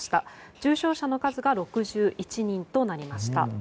重症者の数が６１人となりました。